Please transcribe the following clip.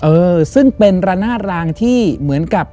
เออซึ่งเป็นระนาดรางที่เหมือนกับ